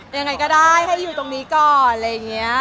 ยังไงก็ได้ให้อยู่ตรงนี้ก่อนอะไรอย่างนี้